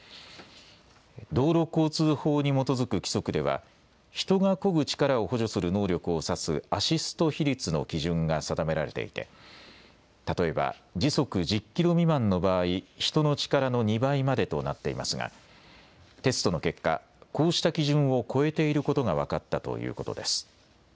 道路交通法に基づく規則では人がこぐ力を補助する能力を指すアシスト比率の基準が定められていて例えば時速１０キロ未満の場合、人の力の２倍までとなっていますがテストの結果、こうした基準を超えていることが分かったということです。